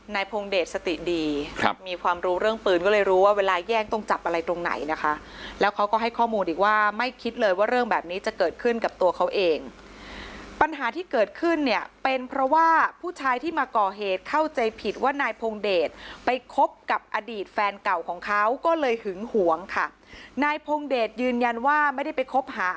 พงเดชสติดีครับมีความรู้เรื่องปืนก็เลยรู้ว่าเวลาแย่งต้องจับอะไรตรงไหนนะคะแล้วเขาก็ให้ข้อมูลอีกว่าไม่คิดเลยว่าเรื่องแบบนี้จะเกิดขึ้นกับตัวเขาเองปัญหาที่เกิดขึ้นเนี่ยเป็นเพราะว่าผู้ชายที่มาก่อเหตุเข้าใจผิดว่านายพงเดชไปคบกับอดีตแฟนเก่าของเขาก็เลยหึงหวงค่ะนายพงเดชยืนยันว่าไม่ได้ไปคบหา